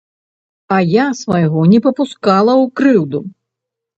А я свайго не папускала ў крыўду!